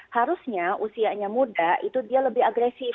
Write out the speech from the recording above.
harusnya usianya muda itu dia lebih agresif